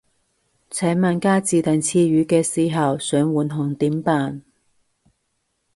請問加自訂詞語嘅時候，想換行點辦